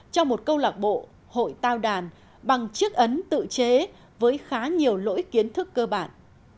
cho một câu lạc bộ hội tao đàn bằng chiếc ấn tự chế với khá nhiều lỗi kiến thức cơ bản